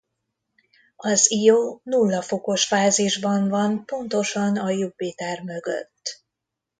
Az Io nulla fokos fázisban van pontosan a Jupiter mögött.